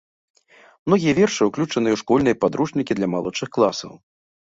Многія вершы ўключаныя ў школьныя падручнікі для малодшых класаў.